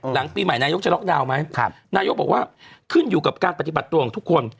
หลังปีใหม่นายกจะล็อกดาวน์ไหมนายกบอกว่าขึ้นอยู่กับการปฏิบัติตัวของทุกคน